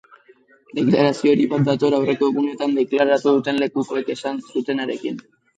Deklarazio hori bat dator aurreko egunetan deklaratu duten lekukoek esan zutenarekin.